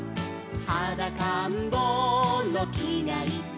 「はだかんぼうのきがいっぽん」